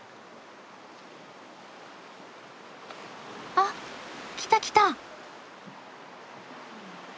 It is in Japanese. あっ来た来た！